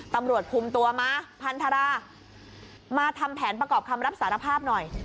ตำรวจคุมตัวมาพันธรามาทำแผนประกอบคำรับสารภาพหน่อย